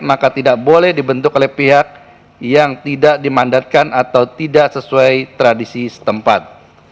maka tidak boleh dibentuk oleh pihak yang tidak dimandatkan atau tidak sesuai tradisi setempat